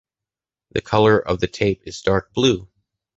The color of the tape is dark blue.